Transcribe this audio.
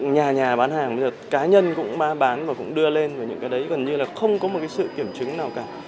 nhà nhà bán hàng cá nhân cũng bán và cũng đưa lên và những cái đấy gần như là không có một sự kiểm chứng nào cả